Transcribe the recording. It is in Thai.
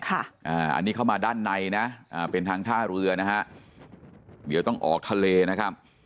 อันนี้เข้ามาด้านในนะเป็นทางท่าเรือนะฮะเดี๋ยวต้องออกทะเลนะครับ